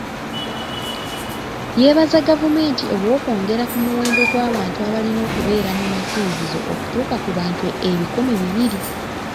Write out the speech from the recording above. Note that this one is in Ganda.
Yeebaza gavumenti olw'okwongera ku muwendo gw'abantu abalina okubeera mu masinzizo okutuuka ku bantu ebikumi bibiri.